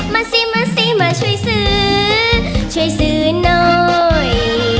มาสิมาสิมาช่วยซื้อช่วยซื้อหน่อย